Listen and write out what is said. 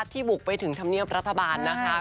บุกไปถึงธรรมเนียบรัฐบาลนะคะ